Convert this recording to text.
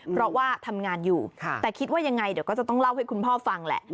เพราะว่าทำงานอยู่แต่คิดว่ายังไงเดี๋ยวก็จะต้องเล่าให้คุณพ่อฟังแหละ